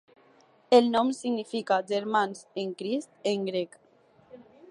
El nom significa 'germans en Crist' en grec.